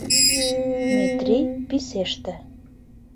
Метрий писеште.